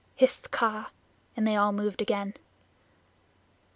hissed Kaa, and they all moved again.